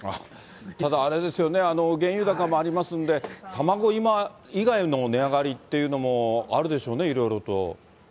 ただあれですよね、原油高もありますんで、卵以外の値上がりっていうのもあるでしょうね、いろいろと。